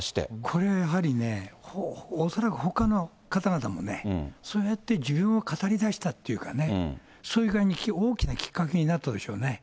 これ、やはりね、恐らくほかの方々もね、そうやって自分を語りだしたっていうかね、それが大きなきっかけになったでしょうね。